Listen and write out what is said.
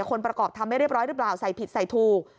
คนประกอบทำไม่เรียบร้อยหรือเปล่าใส่ผิดใส่ถูก